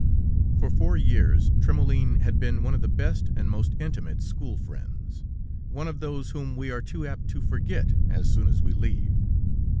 For four years Trémoulin had been one of the best and most intimate school friends, one of those whom we are too apt to forget as soon as we leave.